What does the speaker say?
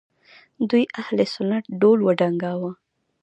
دوی اهل سنت ډول وډنګاوه